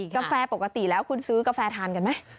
กาแฟปกติแล้วคุณซื้อกาแฟทานกันไหม